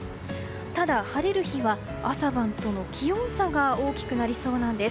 ただ、晴れる日は朝晩との気温差が大きくなりそうなんです。